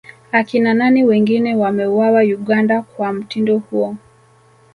Akina nani wengine wameuawa Uganda kwa mtindo huo